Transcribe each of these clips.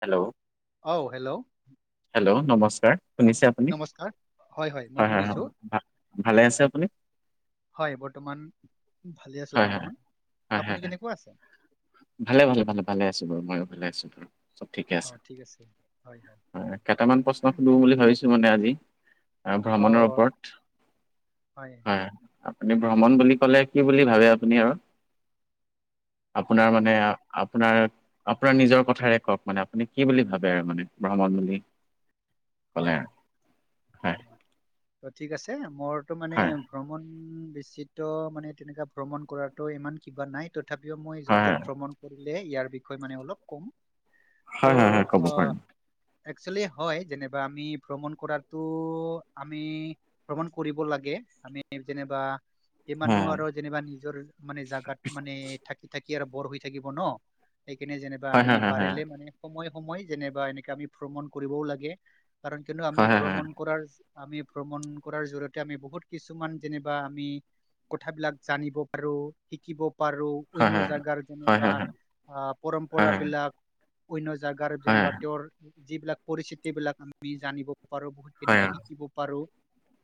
Hello! অ'ও hello! Hello! নমস্কাৰ অ' শুনিছে আপুনি? নমস্কাৰ মই হয়, হয় হয়। শুনিছো ভা ভালে হয় আছে আপুনি? হয় বৰ্তমান ভালে আছোঁ হয় হয় বৰ্তমান। হয় হয় আপুনি হয় কেনেকুৱা আছে? ভালে, ভালে ভালে ভালে আছোঁ বাৰু। মইও ভালে আছোঁ বৰ্তমান। চব ঠিকে আছে। অ' ঠিক হয় হয় অঁ কেইটামান প্ৰশ্ন সুধো বুলি ভাবিছোঁ মানে আজি। আ ভ্ৰমণৰ অ' ওপৰত। হয় আপুনি ভ্ৰমণ বুলি ক'লে কি বুলি ভাৱে আপুনি আৰু? আপোনাৰ অ' মানে আও? আপোনাৰ আপোনাৰ নিজৰ কথাৰে কওক মানে আপুনি কি বুলি ভাৱে মানে ভ্ৰমণ বুলি ক'লে হয়। আৰু হয় ত' ঠিক আছে মোৰ টো মানে হয় ভ্ৰমণ বেচিত' মানে তেনেকা ভ্ৰমণ কৰাৰটো ইমান কিবা নাই ত' তথাপিও মই য'ত হয় য'ত ভ্ৰমণ কৰিলে ইয়াৰ বিষয়ে মানে অলপ ক'ম। হয় ত' হয় হয় ক'ব অঁ পাৰিম এক্সলি হয় যেনে বা আমি ভ্ৰমণ কৰাটো আমি ভ্ৰমণ কৰিব লাগে। আমি যেনেবা কিমাননো হয় আৰু যেনিবা নিজৰ মানে জাগাত মানে, থাকি থাকি আৰু বৰ হৈ থাকিব ন ' সেইকাৰণে যেনিবা হয় আমি হয় হয় পাৰিলে মানে সময়ে সময়ে যেনেবা এনেকা আমি ভ্ৰমণ কৰিবও লাগে। কাৰণ কিয়নো হয় আমি হয় ভ্ৰমণ কৰাৰ যি আমি ভ্ৰমণ কৰাৰ জৰিয়তে আমি বহুত কিছুমান যেনেবা আমি কথাবিলাক জানিব পাৰো, শিকিব পাৰো। হয় অন্য হয় জাগাৰ হয় হয় হয় হয় হয় যেনেবা হয় আঁ- হয় হয় পৰম্পৰাবিলাক অন্য জাগাৰ হয় হয় যেনেবা তেওঁৰ যিবিলাক পৰিস্থিতি বিলাক আমি জানিব পাৰো, হয় বহুতখিনি শিকি শিকিব পাৰো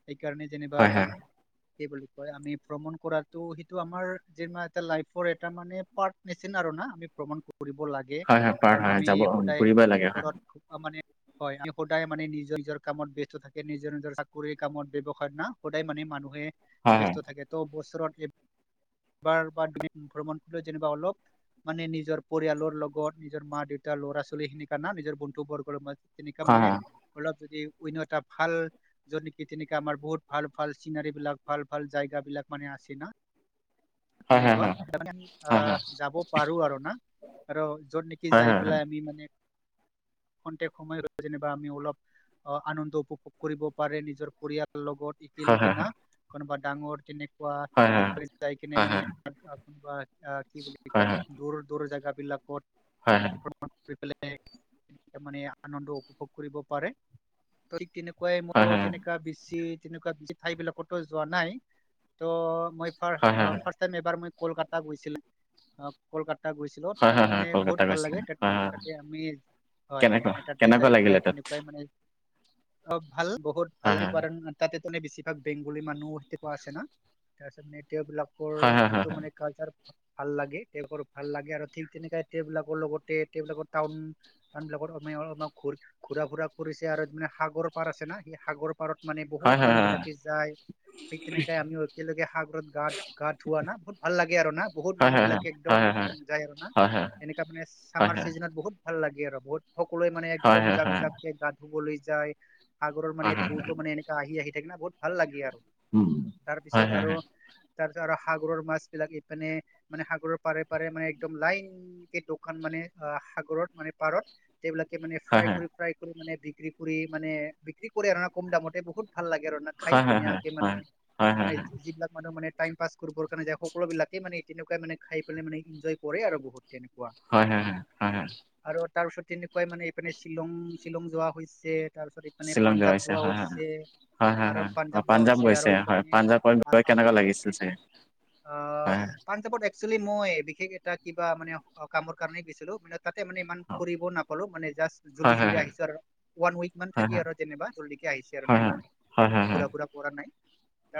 সেইকাৰণে যেনেবা হয় হয় কি বুলি কয়? আমি ভ্ৰমণ কৰাৰটো সেইটো আমাৰ যেনেবা এটাৰ লাইফৰ এটা মানে পাৰ্ট মেচিন আৰু না আমি ভ্ৰমণ কৰিব লাগে হয় হয় পাৰ্ট কাৰণ হয় আমি যাব সদায় ফুৰিবই লাগে হয় ঘৰত খুব মানে হয়, সদায় মানে নিজৰ নিজৰ কামত ব্যস্ত থাকে, নিজৰ নিজৰ চাকৰি কামত, ব্যৱসায় না। সদায় মানে মানুহে হয় ব্যস্ত থাকে। ত' বছৰত এবাৰ বা দুদিন ভ্ৰমণ কৰি যেনেবা অলপ মানে নিজৰ পৰিয়ালৰ লগত, নিজৰ মা-দেউতা, ল'ৰা-ছোৱালীখিনিৰ কাৰণে নিজৰ বন্ধুবৰ্গৰ মাজ তেনেকা হয় মানে, অলপ যদি অন্য এটা ভাল য'ত নেকি তেনেকা আমাৰ বহুত ভাল ভাল চিনাৰী বিলাক, ভাল ভাল জায়গা বিলাক মানে আছে না। হয় হয় তেনেকুৱা হয় হয় আহ হয় যাব পাৰো আৰু না আৰু য'ত কি হয় হয় যাই হয় পেলাই আমি মানে খন্তেক সময় ৰৈ বা আমি অলপ অ আনন্দ উপভোগ কৰিব পাৰে নিজৰ পৰিয়ালৰ লগত। হয় হয় একেলগে না কোনোবা ডাঙৰ তেনেকুৱা। হয় হয়। যাই কিনে হয় মানে কোনোবা আহ কি বুলি হয় হয় হয় হয় কয় দূৰ দূৰ জেগা বিলাকত। হয় মণ কৰি পেলাইাৰ মানে আনন্দ উপভোগ কৰিব পাৰে। তই তেনেকুৱাই ম হয় তেনেকুৱা বেছি তেনেকুৱা ঠাই বিলাকো যোৱা নাই। ত' মই ফ হয় হয় হয় হয় ফাষ্ট টাইম এবাৰ মই কলকাতাত গৈছিলো। অ কলকাতা গৈছিলো তাতে হয় হয় মানে বহুত কলকাতা ভাল গৈছিলে লাগে ত হয় হয় তাতে আমি হয় কেনেকুৱা মানে তাতে কেনেকুৱা যাই পেলাই লাগিলে তাত তেনেকুৱাই মানে অ ভাল বহুত হয় ভালে হয় কৰে। তাতে তানে বেছিভাগ বেংগলী মানুহ হেনেকুৱা আছে না তাৰপিছত মে তেওঁবলাকৰ হয় হয় যিটো মানে কালচাৰ ভাল লাগে তেওঁবৰ ভাল লাগে আৰু ঠিক তেওঁবিলাকৰ লগতে বিলাকৰ টাউন [unintelligible] ঘ ঘূৰা ফুৰা পৰিছে আৰুানে সাগৰ পাৰ আছে না সেই সাগৰ পাৰত। মানে হয় হয় হয় বহুত হয় মানুহ বিলাকে যায় ঠিক তেনেকে আমি একেলগে সাগৰত গা গা ধোৱা না বহুত ভাল লাগে আৰু না বহুত হয় মানুহ হয় বিলাকে হয় হয় একদম হয় যায় আৰু না। হয় হয় এনেককা মানে হয় চামাৰ চিজন বহুত ভাল লাগে আৰু বহুত সকলোৱে মানে হয় একদম হয় জাক জাককে গা ধুবলৈ যায়। সাগৰৰ হয় মানে হয় থুৰটো মানে এনেকা আহি আহি থাকে না বহুত ভাল লাগে আৰু। উম হয় তাৰপিছত হয় আৰু হয়। তাৰপিছত আৰু সাগৰৰ মাছ বিলাক ইপিনে মানে সাগৰৰ পাৰে পাৰে মানে একদম লাইন। কেই দোকান মানে অ সাগৰত মানে পাৰত। সেইবিলাকে মানে হয় ফ্ৰাই কৰি ফ্ৰাই কৰি মানে বিক্ৰী কৰি মানে বিক্ৰী কৰি আৰু কম দামতে বহুত। ভাল লাগে ৰন্ধা খাই হয় হয় ধুনীয়াকে হয় মানে হয় হয় হয় মানে হয় যিবিলাক মানুহ মানে টাইম পাছ কৰিবৰ কাৰণে যায় সকলোবিলাকে মানে তেনেকুৱা মানে খাই পেলাই মানে এনজয় কৰে আৰু বহুত তেনেকুৱা। হয় হয় হয় হয় হয়। আৰু তাৰপিছত তেনেকুৱাই মানে এপিনে শ্বিলং শ্বিলং যোৱা হৈছে তাৰপিছত। মানে শ্বিলং পাঞ্জাৱ যোৱা হয় হয় হৈছে হয় হয় আৰু হয় অ পাঞ্জাৱ যোৱা হৈছে গৈছে আৰু হয় এপিনে পাঞ্জাৱত আৰু গৈ আৰু কেনেকুৱা লাগিছিল চাগে আ, হয় পাঞ্জাৱত এ একচলি মই বিশেষ এটা কিবা মানে কামৰ কাৰণে গৈছিলো মানে তাতে মানে ইমান ফুৰিবও নাপালো মানে জাষ্ট হয় জল্দি হয় -জল্দি আহিছো আৰু ওৱান উইক মান হয় থাকি হয় আৰু যেনিবা। কে আহিছে আৰু না হয় ইমান হয় হয় হয় ঘুৰা ফুৰা পৰা নাই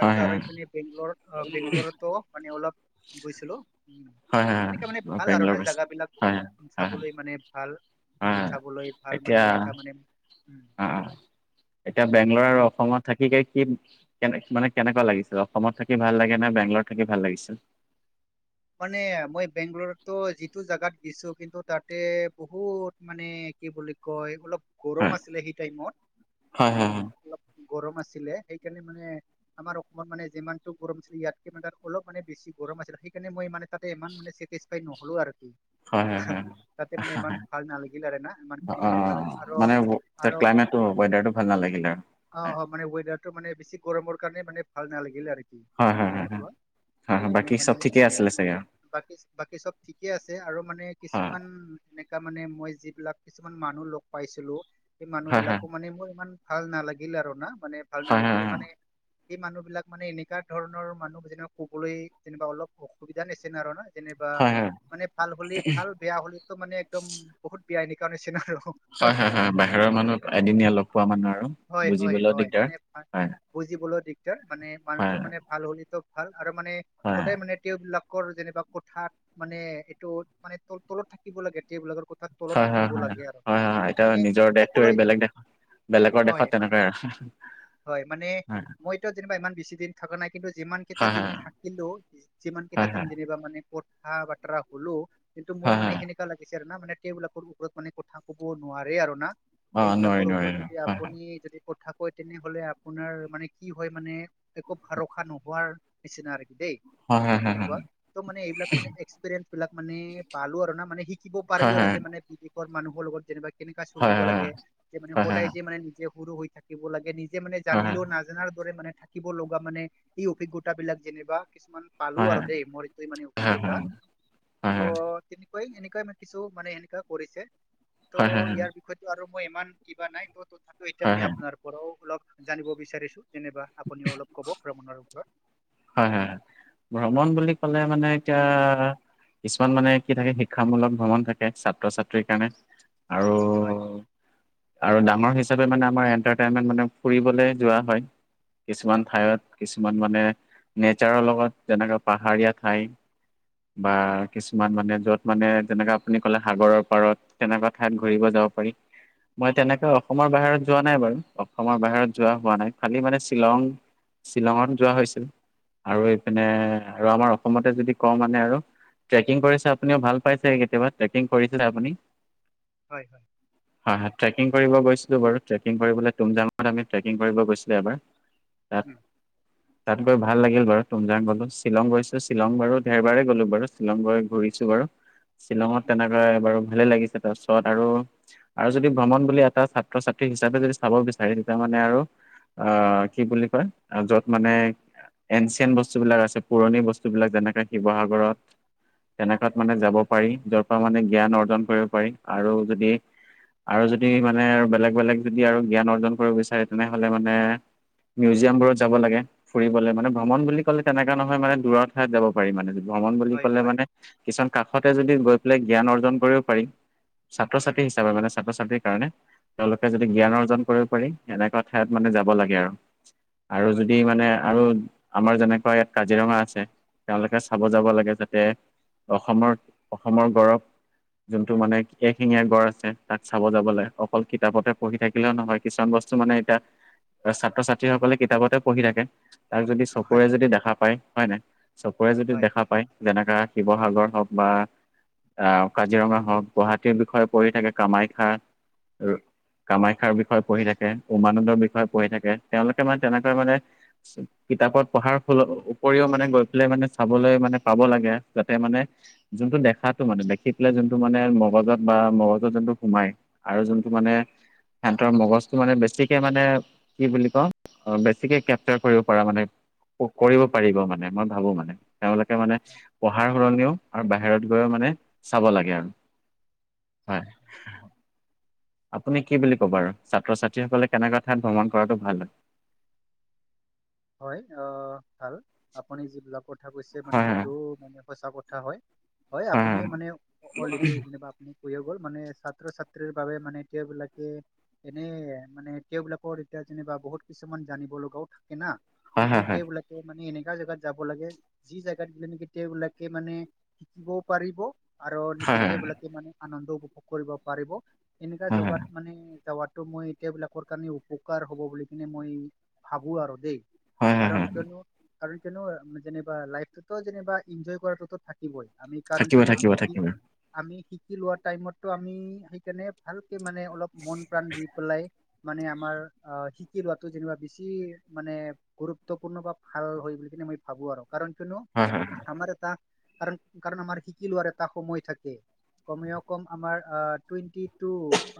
হয় আৰু এইপিনে বেংগলৰত অ বেংগলৰতো মানে অলপ গৈছিলো। হয় হয় হেনেকা মানে হয় ভাল আৰু বেংগলৰ না গৈছে জাগাবিলাক হয় বহুত হয় চাবলৈ মানে ভাল। মোৰ হয় চাবলৈ ভাল মানে এতিয়া এনেকা মানে উম। অ এতিয়া বেংলৰ আৰু অসমত। থাকিকে কি কেনে মানে কেনেকুৱা লাগিছিল অসমত থাকি ভাল লাগে নে বেংগলত থাকি ভাল লাগিছিল? মানে মই বেংগলৰত যিটো জেগাত গৈছো কিন্তু তাতে বহুত মানে কি বুলি কয় অলপ গৰম হয় আছিলে সেই টাইমত হয় মানে হয় অলপ। গৰম আছিলে সেইকাৰণে মানে। আমাৰ অসমত মানে যিমানটো গৰম আছিলে ইয়াতকে মানে অলপ মানে বেছি গৰম আছিলেই। সেইকাৰণে মই মানে তাতে ইমান মানে চেটিছফাই নহ'লো আৰু হয় হয় তাতে মানে ইমান হয়। ভাল নালাগিল আৰু না ইমানখিনি অ মানে ভাল লাগিল আৰু মানে আৰু ক্লাইমেটটো ৱডাৰটো ভাল নালাগিলে আৰু অ অ মানে ৱেডাৰটো মানে বেছি গৰমৰ কাৰণে মানে ভাল নালাগিলে আৰু। কি তেনেকুৱা হয়-হয়-হয়-হয়-হয়-হয় সেইকাৰণে বাকী চব মানে ঠিকেই আছিলে চাগে আৰু। বাকী বাকী চব ঠিকে আছে আৰু মানে হয় কিছুমান এনেককা মানে মই যিবিলাক কিছুমান মানুহ লগ পাইছিলো, সেই মানুহ হয় হয় বিলাকো মানে মোৰ ইমান ভাল নালাগিলে আৰু না মানে ভাল হয় হয় নালাগিলে হয় মানে। এই মানুহ বিলাক মানে এনেককাা ধৰণৰ মানুহ যেনে কবলৈ যেনিবা অলপ অসুবিধা নিচিনা আৰু নয়। যেনিবা হয় হয় মানে ভাল হ'লে ভাল বেয়া হ'লে মানে একদম বহুত বেয়া এনে কাৰণ নি চিনা আৰু। হয়-হয়-হয়-হয় মানে বাহিৰৰ মানুহ এদিন লগ পোৱা মানুহ আৰু হয় হয় বুজিবলৈও হয় দিগদাৰ মানে ভা- হয়। বুজিবলৈ দিগদাৰ মানে হয় মানুহতৰ মানে ভাল হ'লিতো ভাল আৰু মানে হয় সদায় মানে, তেওঁবিলাকৰ যেনিবা কোঠাত মানে এইটো মানে ত তলত থাকিব লাগে তেওঁবিলাকৰ কোঠাত, তলত হয় হয় থাকিব হয় লাগে আৰু হয় হয় হয় এতিয়া মানে নিজৰ দেশটো এৰি সকলোৱে বেলেগ দেশ বেলেগৰ হয় দেশত মান তেনেকুৱাই আৰু হয় মানে হয় মই, যেনিবা ইমান বেছি দিন থকা নাই কিন্তু যিমান কেইটা হয় দিন থাকিলেও যিমান কেইটা হয় দিন হয় মানে পথা বৰা হ'লো কিন্তু মই হয় হয় মানে হয় সেনে কা লাগিছে আৰু না মানে টেবুলাকৰ ওপৰত মানে কঠথা কব নোৱাৰে আৰু না অ নোৱাৰি এইবিলাকৰ নোৱাৰি ওপৰত যদি হয় আপুনি যদি কথা কয় তেনেহলে আপোনাৰ মানে কি হয় মানে একো ভৰসা নোহোৱাৰ নিচিনা আৰু কি দেই। হয় হয় হয় তেনেকুৱা ত' মানে এইবিলাক মানে ৰেন্ বিলাক মানে পালো আৰু না মানে শিকিব হয় পাৰিলো আৰু হয় যে মানে বিদেশৰ মানুহৰ লগত যেনেবা কেনেকা হয় চলিব হয় লাগে, যে মানে হয় হয় হয় সদায় যে মানে নিজে সৰু হৈ থাকিব লাগে। নিজ যে মানে হয় জানিলেও নাজানাৰ দৰে মানে থাকিব লগা, মানে এই অভিজ্ঞতা বিলাক যেনিবা কিছুমান পালো হয় আৰু দেই মোৰ। মিং হয় হয় হয় হয় হয় হয় হয় হয় কুটা ত তেনেকুৱাই এনেকুৱাই ম কিছু মানে এনেকুৱা কৰিছে। ত' হয় ইয়াৰ বিষয়তটো আৰু মই ইমান কিবা নাই ত' তথাপি এতিয়া হয় মই হয় আপোনাৰ পৰাও অলপ জানিব বিচাৰিছো যেনিবা আপুনিও অলপ ক'ব ভ্ৰমণৰ ওপৰত হয়-হয়, ভ্ৰমণ বুলি উম, ক'লে মানে এতিয়া কিছুমান মানে কি থাকে শিক্ষামূলক ভ্ৰমণ থাকে ছাত্ৰ ছাত্ৰীৰ কাৰণে। আৰু হয়, আৰু ডাঙৰ হিচাপে মানে আমাৰ এন্টাৰটেইনমেন্ট মানে ফুৰিবলে যোৱা হয় কিছুমান ঠাইত কিছুমান মানে নেচাৰৰ লগত যেনেকা পাহাৰীয়া ঠাই বা কিছুমান মানে য'ত মানে যেনেকে আপুনি ক'লে সাগৰৰ পাৰত। তেনেকুৱা ঠাইত ঘুৰিব যাব পাৰি মই হয় তেনেকে অসমৰ বাহিৰত যোৱা নাই বাৰু অসমৰ বাহিৰত যোৱা হোৱা নাই খালি মানে শ্বিলং শ্বিলঙত যোৱা হৈছিল আৰু এইপিনে হয় আৰু আমাৰ অসমতে যদি ক মানে আৰু ট্ৰেকিং কৰিছে আপুনিও ভাল পাইছে কেতিয়াব কৰি আপুনি হয়। হয়-হয় ট্ৰেকিং কৰিব গৈছিলোঁ বাৰু ট্ৰেকিং কৰিবলৈ তুমজামত আমি ট্ৰেকং কৰিব গৈছিলোঁ এবাৰ। তাত উম তাত গৈ ভাল ভাল লাগিল বাৰু টোমজাং গলো শ্বিলং গৈছো শ্বিলং বাৰু দেৰবাৰে গ'লো বাৰু শ্বিলং গ ঘূৰিছো বাৰু। শ্বিলঙত তেনেকৈ বাৰু ভালে লাগিছে। আৰু আৰু যদি ভ্ৰমণ বুলি এটা ছাত্ৰ ছাত্ৰী হিচাপে যদি চাব বিচাৰে তেতিয়া মানে আৰু। অ, কি বুলি কয় য'ত মানে এনচিয়েণ্ট বস্তুবিলাক আছে পুৰণি বস্তুবিলাক যেনেকে শিৱসাগৰত তেনেকাত মানে যাব পাৰি যৰ পৰা মানে জ্ঞান অৰ্জন কৰিব পাৰি আৰু যদি আৰু যদি মানে আৰু বেলেগ-বেলেগ যদি আৰু জ্ঞান অৰ্জন কৰিব বিচাৰে তেনেহলে মানে, মিউজিয়াম বোৰত যাব লাগে ফুৰিবলৈ মানে ভ্ৰমণ বুলি ক'লে তেনেকুৱা নহয় মানে দূৰ ঠাইত যাব পাৰি মানে, ভ্ৰমণ বুলি ক'লে মানে কিছুমান কাষতে যদি গৈ পেলাই জ্ঞান অৰ্জন কৰিব পাৰিম। ছাত্ৰ ছাত্ৰী হিচাপে মানে ছাত্ৰ ছাত্ৰীৰ কাৰণে তেওঁলোকে যদি জ্ঞান অৰ্জন কৰিব পাৰি। এনেকুৱা ঠাইত মানে যাব লাগে আৰু। আৰু যদি মানে আৰু আমাৰ যেনেকুৱা ইয়াত কাজিৰঙা আছে, তেওঁলোকে চাব যাব লাগে যাতে অসমৰ অসমৰ গৌৰৱ যোনটো মানে এশিঙীয়া গড় আছে, তাত চাব যাবলে। অকল কিতাপতে পঢ়ি থাকিলেও নহয়। কিছুমান বস্তু মানে এতিয়া, ছাত্ৰ ছাত্ৰীসকলে কিতাপতে পঢ়ি থাকে তাক যদি চকুৰে যদি দেখা পায় হয় নাই, চকুৰে যদি দেখা পায় যেনেকা শিৱসাগৰ হওক বা আহ কাজিৰঙা হওক, গুৱাহাটীৰ বিষয়ে পঢ়ি থাকে কামাখ্যা কামাখ্যাৰ বিষয়ে পঢ়ি থাকে, উমানন্দৰ বিষয়ে পঢ়ি থাকে, তেওঁলোকে মানে তেনেকৈ মানে কিতাপত পঢ়াৰ ফলত উপৰিও মানে গৈ পেলাই মানে চাবলৈ মানে পাব লাগে যাতে মানে যোনটো দেখাতটো মানে, দেখি পেলাই যোনটো মানে মগজত বা মগজত যোনটো সোমাই আৰু যোনটো মানে সেতৰ মগজটো মানে বেছিকে মানে কি বুলি ক, অ বেছিকে কেপচাৰ কৰিব পাৰা মানে। কৰিব পাৰিব মানে মই ভাবো মানে। তেওঁলোকে মানে পঢ়াৰ সলনিও আৰু বাহিৰত গৈও মানে চাব লাগে আৰু হয়। আপুনি কি বুলি ক'ব আৰু, ছাত্ৰ ছাত্ৰীসকলে কেনেকুৱা ঠাইত ভ্ৰমণ কৰাটো ভাল হয়? হয়, আ ভাল। আপুনি যিবিলাক কথা কৈছে মানে হয়? সেইটো মানে সঁচা কথা হয়। হয় আপুনিয়ে মানে অলৰেডি যেনিবা কৈয় গ'ল, মানে ছাত্ৰ ছাত্ৰীৰ বাবে মানে এতিয়া বিলাকে এনে মানে তেওঁবিলাকৰ এতিয়া যেনিবা বহুত কিছুমান জানিব লগাও থাকে- থাকে না হয় সেইখিনি হয় হয় মানে এনেকা জেগাত যাব লাগে, যি জেগাত গলে নেকি তেওঁ বিলাকে মানে শিকিবও পাৰিব। আৰু হয় নিকি হয় তেওঁ বিলাকে মানে আনন্দ উপভোগ কৰিব পাৰিব, এনেকুৱা হয় হয় হয় জেগাত মানে যাৱাত ত মই এতিয়া বিলাকৰ কাৰণে উপকাৰ হ'ব বুলি কিনে মই ভাবো আৰু দেই। হয় হয় হয় কাৰণ হয় কিয়নো, কাৰণ কিয়নো যেনিবা লাইফটোতো যেনিবা এনজয় কৰাটোতো থাকে। শিকিবই। আমি কাৰণ থাকিব কিয়নো থাকিব আমি শিক থাকিব আমি শিকি লোৱা টাইমতটো আমি সেইকাৰণে ভালকে মানে অলপ মন প্ৰাণ দি পেলাই মানে আমাৰ অ শিকি লোৱাতো যেনিবা বেছি মানে গুৰুত্বপূৰ্ণ বা ভাল হয় বুলি কিনে মই ভাবো আৰু। কাৰণ কিয়নো হয় হয়। আমাৰ এটা কাৰণ কাৰণ আমাৰ শিকি লোৱাৰ এটা সময় থাকে। কমেও কম আমাৰ আ টুৱেণ্টি- টু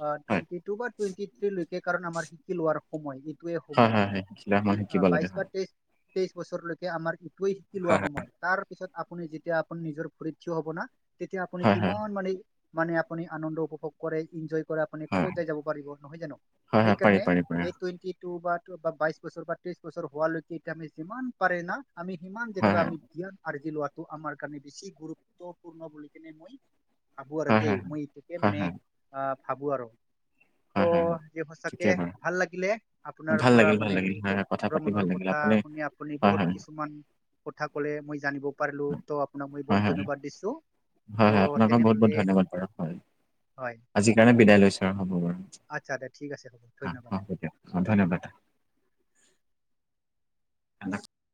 আহ হয় টুৱেটি টু বা টুৱেন্টি থ্ৰ্ৰী লৈকে কাৰণ আমাৰ শিকি লোৱাৰ সময় এইটোয়ে হয় সময়। হয় হয় [unintelligible] এই আহ বাইশ লাগে বা হয় তেইশ, তেইশ বছৰলৈকে আমাৰ ইটোৱেই শিকি লোৱা হয় সময়, তাৰ পিছত আপুনি যি- যেতিয়া আপুনি নিজৰ ভৰিত থিয় হব না, তেতিয়া আপুনি হয় হয় কিমান মানে- মানে আপুনি আনন্দ উপভোগ কৰে, ইন্জয়- কৰে আপুনি হয় কত যায় যাব পাৰিব নহয় জানো? হয় হয় পাৰি সেইকাৰণে পাৰি পাৰি হয় এই টুৱেন্টী টু বা টু বাইছ- বছৰ বা ত্ৰিশ বছৰ হোৱালৈকে এতিয়া আমি যিমান পাৰে না আমি সিমান হয় যেনিবা আমি জ্ঞান- আৰ্জি লোৱাটো আমাৰ কাৰণে বেছি গুৰুত্বপূৰ্ণ বুলি কেনে মই- ভাবো আৰু হয় দেই হয় মই এইটোকে হয় মানে হয় অ ভাবো আৰু। ত' হয় হয় দিয়ক সচাকে ঠিকেই বাৰু ভাল লাগিলে আপোনাৰ ভাল পৰা লাগিল ভাল মানে লাগিল হয় এইটো হয় কথা পাতি ভাল ভ্ৰমণৰ লাগিল কথা আপুনি শুনি আপ- আপুনি হয় বহুত হয় কিছুমান, কথা ক'লে মই জানিব পাৰিলোঁ তো আপোনাক মই হয় বহুত হয় ধন্যবাদ দিছোঁ। হয় হয় আপোনাকো বহুত বহুত ধন্যবাদ বাৰু হয় হয় আজিৰ কাৰণে বিদায় লৈছো হ'ব বাৰু। আচ্ছা দে ঠিক আছে হ'ব ধন্যবাদ। অ, ধন্যবাদ দা।